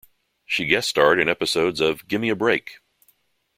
She guest-starred in episodes of Gimme A Break!